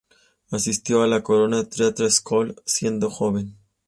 Asistió a la "Corona Theatre School" siendo joven.